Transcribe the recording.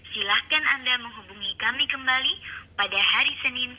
silahkan anda menghubungi kami kembali pada hari senin